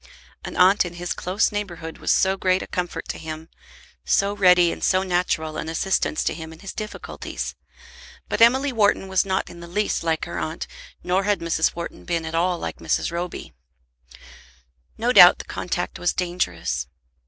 An aunt in his close neighbourhood was so great a comfort to him, so ready and so natural an assistance to him in his difficulties! But Emily Wharton was not in the least like her aunt, nor had Mrs. Wharton been at all like Mrs. Roby. No doubt the contact was dangerous.